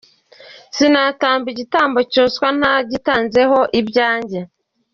Sinatamba igitambo cyoswa ntagitanzeho ibyanjye